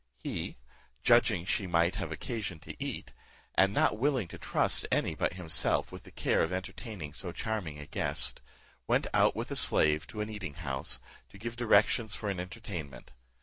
He, judging she might have occasion to eat, and not willing to trust any but himself with the care of entertaining so charming a guest, went out with a slave to an eating house, to give directions for an entertainment.